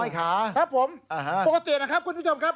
ขาครับผมปกตินะครับคุณผู้ชมครับ